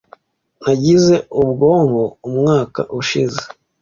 Nagize ubwonko umwaka ushize.